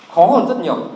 khó hơn rất nhiều